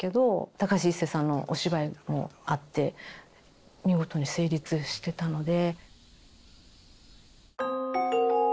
高橋一生さんのお芝居もあって見事に成立してたので。